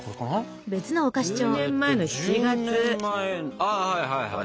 ああはいはいはい。